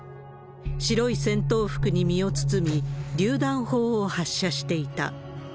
白い戦闘服に身を包み、りゅう弾砲を発射していた。